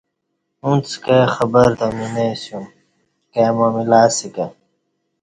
اݩڅ کائ خبر تہ می نہ اسیوم کائ معاملہ اسہ کہ